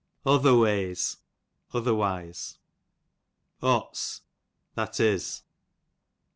Otherwe}s, otherwise. OtB, that is.